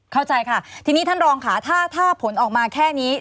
เข้าใจค่ะทีนี้ท่านรองค่ะถ้าผลออกมาแค่นี้